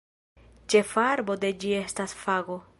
Ĉefa arbo de ĝi estas fago.